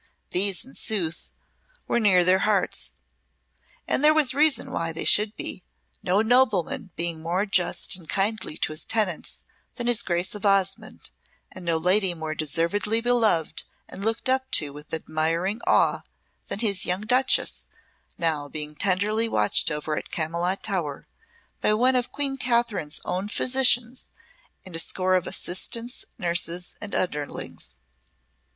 These, in sooth, were near their hearts; and there was reason they should be, no nobleman being more just and kindly to his tenants than his Grace of Osmonde, and no lady more deservedly beloved and looked up to with admiring awe than his young Duchess, now being tenderly watched over at Camylott Tower by one of Queen Catherine's own physicians and a score of assistants, nurses, and underlings.